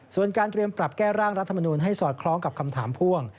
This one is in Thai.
ส่วนการเตรียมปรับแก้ร่างรัฐมนูลให้สอดคล้องกับคำถามพ่วง